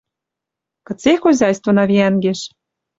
Кыце хозяйствына виӓнгеш.